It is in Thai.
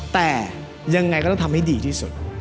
แต่ยังไงก็ต้องทำให้ดีที่สุด